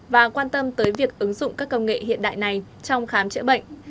và quan tâm tới việc ứng dụng các công nghệ hiện đại này trong khám chữa bệnh